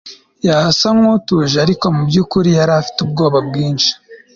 Yasa nkutuje ariko mubyukuri yari afite ubwoba bwinshi